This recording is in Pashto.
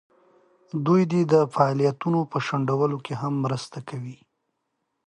دوی د دې فعالیتونو په شنډولو کې هم مرسته کوي.